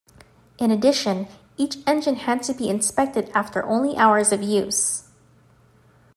In addition, each engine had to be inspected after only hours of use.